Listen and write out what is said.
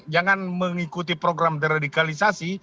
jangan mengikuti program deradikalisasi